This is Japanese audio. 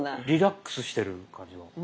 リラックスしてる感じが。